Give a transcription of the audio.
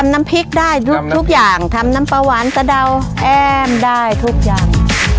น้ำพริกได้ทุกอย่างทำน้ำปลาหวานสะเดาแอ้มได้ทุกอย่าง